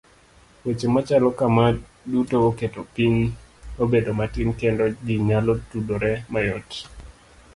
Weche machalo kama duto oketo piny obedo matin kendo ji nyalo tudore mayot.